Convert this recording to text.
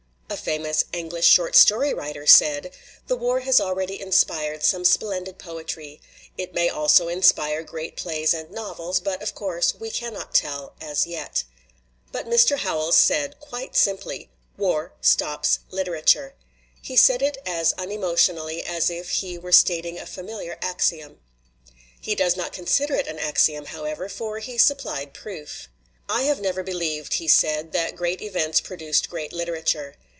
A famous English short story writer said, "The war has already inspired some splendid poetry; it may also inspire great plays and novels, but, of course, we cannot tell as yet." But Mr. Howells said, quite simply, "War stops literature.*' He said it as unemotionally as if he were stating a familiar axiom. He does not consider it an axiom, however, for he supplied proof. "I have never believed," he said, "that great events produced great literature.